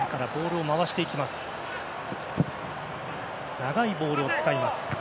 長いボールを使います。